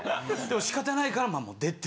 仕方ないからもう出て。